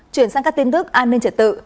chuyển sang các tin tức an ninh trật tự